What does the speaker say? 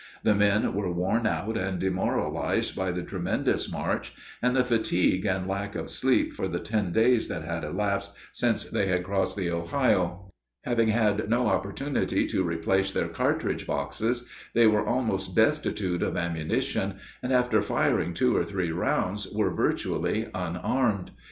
The men were worn out and demoralized by the tremendous march, and the fatigue and lack of sleep for the ten days that had elapsed since they had crossed the Ohio. Having had no opportunity to replenish their cartridge boxes, they were almost destitute of ammunition, and after firing two or three rounds were virtually unarmed.